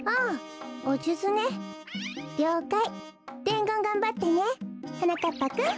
でんごんがんばってねはなかっぱくん。